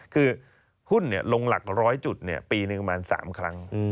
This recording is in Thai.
คือหุ้นเนี่ยลงหลัก๑๐๐จุดเนี่ยปีนึงประมาณ๓ครั้ง